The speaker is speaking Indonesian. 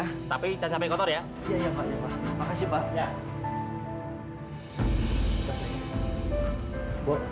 tapi jangan sampai kotor ya